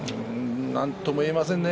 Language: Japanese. なんとも言えませんね。